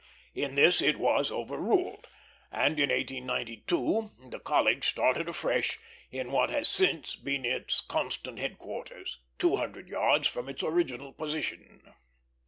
In this it was overruled, and in 1892 the College started afresh in what has since been its constant headquarters, two hundred yards from its original position.